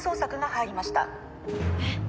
えっ！